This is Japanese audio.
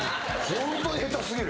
ホントに下手過ぎる。